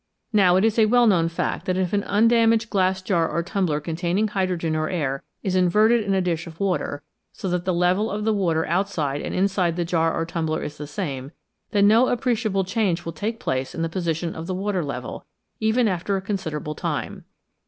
Now it is a well known fact that if an undamaged glass jar or tumbler containing hydrogen or air is in verted in a dish of water, so that the level of the water outside and inside the jar or tumbler is the same, then no appreciable change will take place in the position of the water level, even after a considerable time.